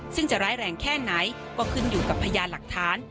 ซึ่งจะร้ายแรงแค่ไหนก็ขึ้นอยู่กับพยานหลักฐาน